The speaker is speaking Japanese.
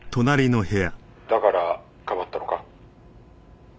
「だからかばったのか？」